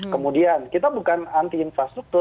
kemudian kita bukan anti infrastruktur